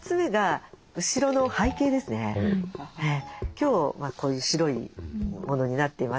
今日はこういう白いものになっています。